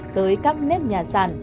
tới các nếp nhà sàn